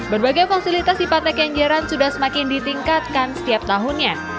berbagai fasilitas di pantai kenjeran sudah semakin ditingkatkan setiap tahunnya